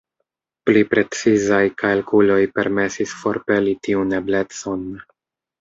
Pli precizaj kalkuloj permesis forpeli tiun eblecon.